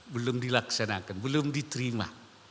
belum dilaksanakan belum diterima